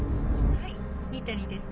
☎はい仁谷です